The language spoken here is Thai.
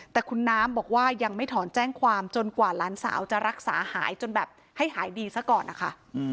แต่คุณน้ำบอกว่ายังไม่ถอนแจ้งความจนกว่าหลานสาวจะรักษาหายจนแบบให้หายดีซะก่อนนะคะ